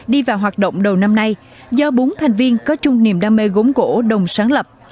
đi vào hoạt động đầu năm nay do bốn thành viên có chung niềm đam mê gốm cổ đồng sáng lập